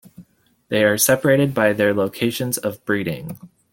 They are separated by their locations of breeding.